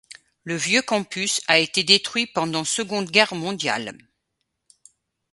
Le vieux campus a été détruit pendant Seconde Guerre mondiale.